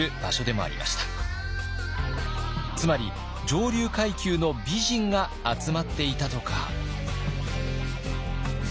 つまり上流階級の美人が集まっていたとか。